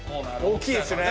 大きいですね。